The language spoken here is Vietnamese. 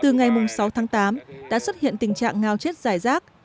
từ ngày mùng sáu tháng tám đã xuất hiện tình trạng ngao chết dài rác